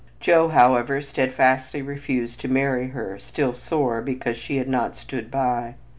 Joe, however, steadfastly refused to marry her, still "sore" because she had not "stood by."